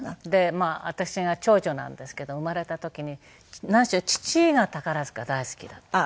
まあ私が長女なんですけど生まれた時に何しろ父が宝塚大好きだったんです。